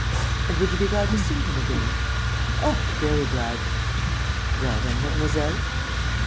"And would you be glad to see him again?" "Oh, very glad." "Well, then, mademoiselle